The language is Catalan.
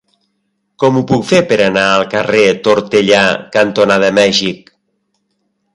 Com ho puc fer per anar al carrer Tortellà cantonada Mèxic?